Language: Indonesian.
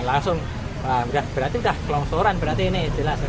langsung berarti sudah longsoran berarti ini